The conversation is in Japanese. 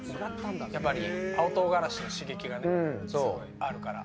やっぱり青唐辛子の刺激があるから。